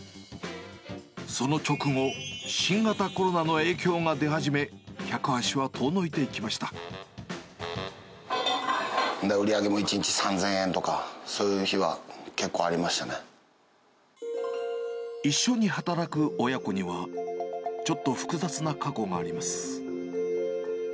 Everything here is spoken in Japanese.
その直後、新型コロナの影響が出始め、売り上げも１日３０００円とか、一緒に働く親子には、ちょっと複雑な過去があります。